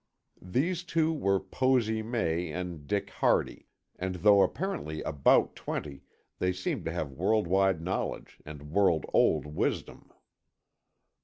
These two were Posy May and Dick Hardy, and though apparently about twenty they seemed to have world wide knowledge and world old wisdom.